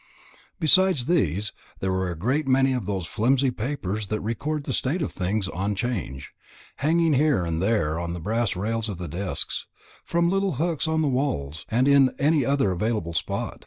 Besides these, there were a great many of those flimsy papers that record the state of things on 'Change, hanging here and there on the brass rails of the desks, from little hooks in the walls, and in any other available spot.